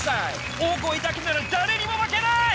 大声だけなら誰にも負けない。